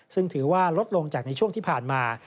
ซึ่งถือว่าลดลงจากในช่วงที่ผ่านมา